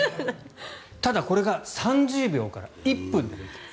ただ、これが３０秒から１分でできます。